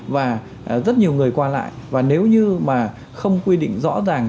và rất nhiều người qua lại và nếu như mà không quy định rõ ràng